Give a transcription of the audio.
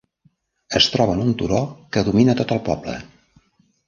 Es troba en un turó que domina tot el poble.